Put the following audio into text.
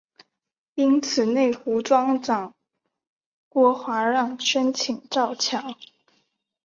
因此内湖庄长郭华让申请造桥。